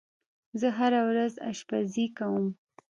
زه هره ورځ آشپزی کوم.